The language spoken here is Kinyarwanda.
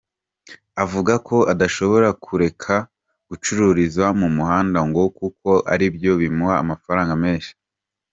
Avuga ko adashobora kureka gucururiza mu muhanda ngo kuko aribyo bimuha amafaranga menshi.